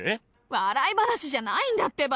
笑い話じゃないんだってば！